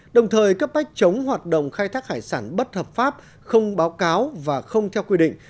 đồng thời cấp bách chống hoạt động khai thác hải sản bất hợp pháp không báo cáo và không theo quy định